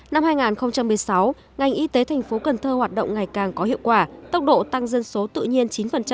năm hai nghìn một mươi sáu ngành y tế thành phố cần thơ hoạt động ngày càng có hiệu quả tốc độ tăng dân số tự nhiên chín